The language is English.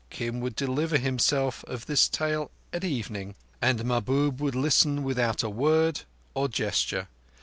Kim would deliver himself of his tale at evening, and Mahbub would listen without a word or gesture.